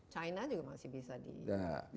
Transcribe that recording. china juga masih bisa di